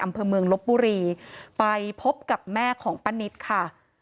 อำเภอเมืองลบบุรีไปพบกับแม่ของป้านิตค่ะ